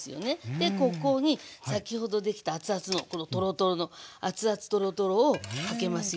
でここに先ほどできたアツアツのこのトロトロのアツアツトロトロをかけますよ。